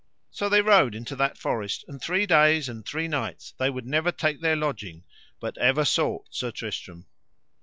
So they rode into that forest, and three days and three nights they would never take their lodging, but ever sought Sir Tristram.